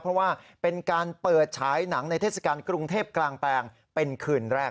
เพราะว่าเป็นการเปิดฉายหนังในเทศกาลกรุงเทพกลางแปลงเป็นคืนแรก